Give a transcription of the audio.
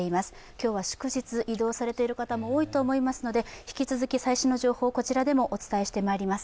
今日は祝日、移動されている方も多いと思いますので、引き続き最新の情報をこちらでもお伝えしてまいります